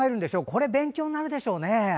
これ、勉強になるでしょうね。